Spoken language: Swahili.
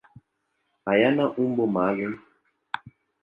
Hayana umbo maalum.